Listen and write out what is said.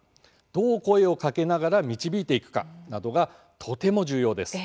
「どう声をかけながら導いていくか？」などがとても重要です。